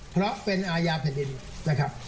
เพราะเป็นอาญาแผ่นดินนะครับ